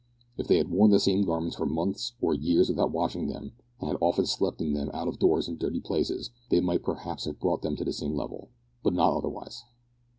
If they had worn the same garments for months or years without washing them, and had often slept in them out of doors in dirty places, they might perhaps have brought them to the same level, but not otherwise.